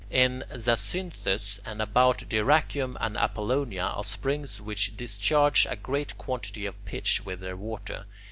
In Zacynthus and about Dyrrachium and Apollonia are springs which discharge a great quantity of pitch with their water.